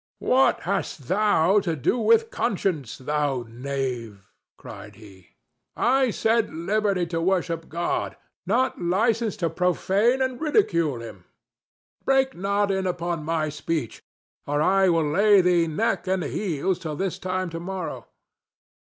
"What hast thou to do with conscience, thou knave?" cried he. "I said liberty to worship God, not license to profane and ridicule him. Break not in upon my speech, or I will lay thee neck and heels till this time to morrow.